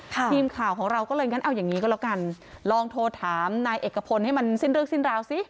ทีมข่าวของเราก็เลยงั้นเอาอย่างนี้ก็แล้วกันลองโทรถามนายเอกพลให้มันสิ้นเรื่องสิ้นราวสิ